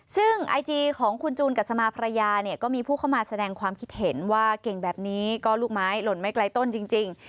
ซึ่งไอจีของคุณจูนกัสมาภรรยาเนี่ยก็มีผู้เข้ามาแสดงความคิดเห็นว่าเก่งแบบนี้ก็ลูกไม้หล่นไม่ไกลต้นจริง